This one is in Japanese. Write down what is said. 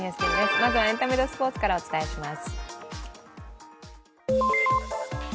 まずはエンタメとスポーツからお伝えします。